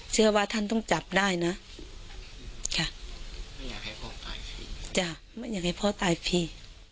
เชื่อว่าท่านต้องจับได้นะไม่อยากให้พ่อตายฟรี